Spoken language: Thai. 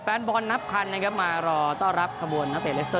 แฟนบอลนับคันมารอต้อรับกระบวนนักเตะเลสเตอร์